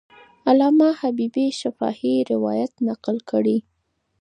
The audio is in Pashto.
علامه حبیبي شفاهي روایت نقل کړی.